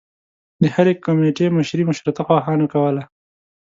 د هرې کومیټي مشري مشروطه خواهانو کوله.